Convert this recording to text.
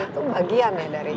itu bagian dari kota tua